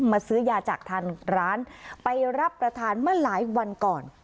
มาซื้อยาจากทางร้านไปรับประทานเมื่อหลายวันก่อน